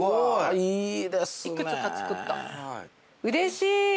うれしい！